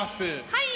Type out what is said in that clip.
はい。